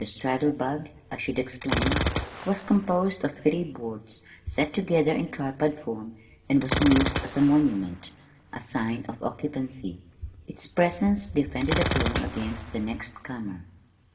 The straddle bug, I should explain, was composed of three boards set together in tripod form and was used as a monument, a sign of occupancy. Its presence defended a claim against the next comer.